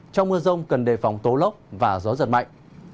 trong mưa rông cần đề phòng tố lốc và gió giật mạnh